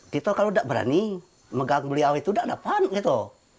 kita kalau tidak berani mengganggu dia itu tidak dapat gitu